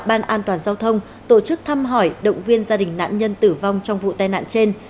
ban an toàn giao thông tổ chức thăm hỏi động viên gia đình nạn nhân tử vong trong vụ tai nạn trên